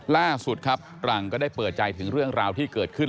ล่าสุดครับหลังก็ได้เปิดใจถึงเรื่องราวที่เกิดขึ้น